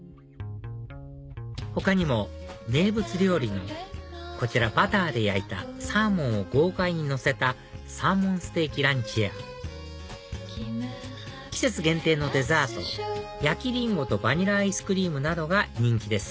他にも名物料理のこちらバターで焼いたサーモンを豪快にのせたサーモンステーキランチや季節限定のデザート焼きリンゴとバニラアイスクリームなどが人気です